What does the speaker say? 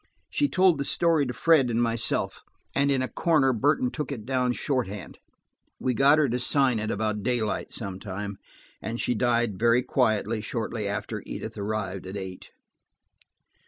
She told the story to Fred and myself, and in a corner Burton took it down in shorthand. We got her to sign it about daylight sometime, and she died very quietly shortly after Edith arrived at eight.